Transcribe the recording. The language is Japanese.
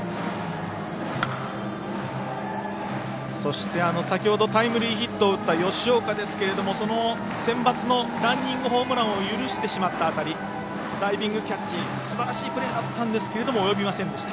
そして、先ほどタイムリーヒットを打った吉岡ですけれど、そのセンバツのランニングホームランを許してしまった当たりダイビングキャッチ、すばらしいプレーだったんですが及びませんでした。